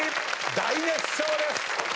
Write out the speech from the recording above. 大熱唱です！